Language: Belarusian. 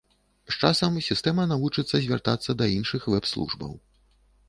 З часам сістэма навучыцца звяртацца да іншых вэб-службаў.